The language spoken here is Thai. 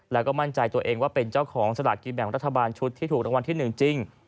แล้วก็มั่นใจตัวเองว่าเป็นเจ้าของสลากกินแบ่งรัฐบาลชุดที่ถูกรางวัลที่๑จริง